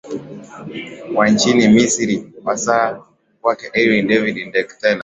wa nchini misri wasaa kwake edwin david ndeketela